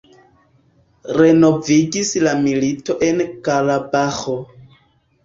Renoviĝis la milito en Karabaĥo.